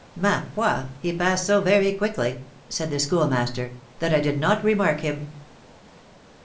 "Ma foi! he passed so very quickly," said the Schoolmaster, "that I did not remark him."